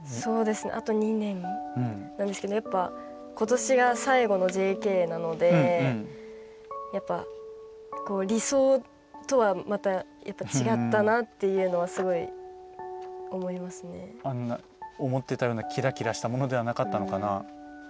あと２年なんですけどやっぱ、ことしが最後のＪＫなのでやっぱ理想とはまた違ったなというのは思っていたようなキラキラしたような感じではなかったのかな。